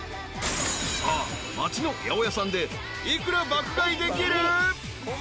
［さあ町の八百屋さんで幾ら爆買いできる？］